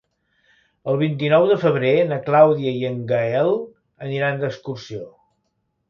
El vint-i-nou de febrer na Clàudia i en Gaël iran d'excursió.